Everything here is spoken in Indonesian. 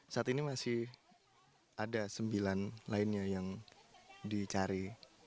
saat ini masih ada sembilan lainnya yang dicari